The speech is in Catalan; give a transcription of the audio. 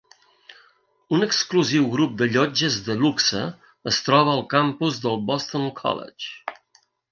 Un exclusiu grup de llotges de luxe es troba al campus del Boston College.